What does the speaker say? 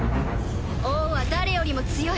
王は誰よりも強い！